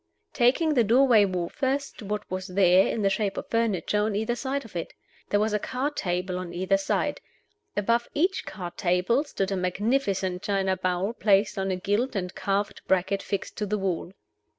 Taking the doorway wall first, what was there, in the shape of furniture, on either side of it? There was a card table on either side. Above each card table stood a magnificent china bowl placed on a gilt and carved bracket fixed to the wall.